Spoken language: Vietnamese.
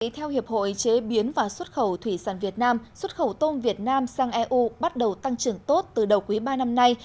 theo hiệp hội chế biến và xuất khẩu thủy sản việt nam xuất khẩu tôm việt nam sang eu bắt đầu tăng trưởng tốt từ đầu quý ba năm nay